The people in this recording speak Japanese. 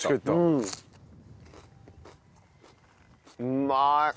うまい！